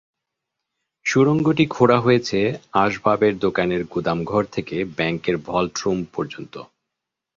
সুড়ঙ্গটি খোঁড়া হয়েছে আসবাবের দোকানের গুদামঘর থেকে ব্যাংকের ভল্ট রুম পর্যন্ত।